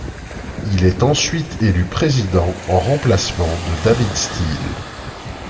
Il est ensuite élu président en remplacement de David Steel.